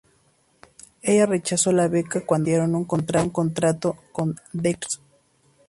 Ella rechazó la beca cuando le ofrecieron un contrato con Decca Records.